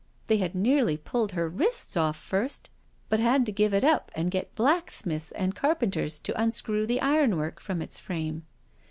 They had nearly pulled her wrists off first, but had to give it up and get blacksmiths and carpenters to unscrew the ironwork from its frame.